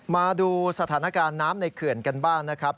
มาดูสถานการณ์น้ำในเขื่อนกันบ้างนะครับ